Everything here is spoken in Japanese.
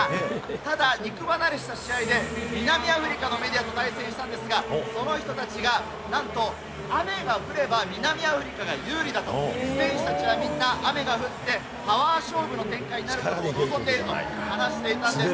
ただ肉離れした試合で南アフリカのメディアと観戦したんですが、その人たちが、なんと雨が降れば南アフリカが有利だと、選手たちはみんな雨が降ってパワー勝負の展開になるのを望んでいると話していたんです。